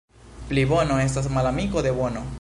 Plibono estas malamiko de bono.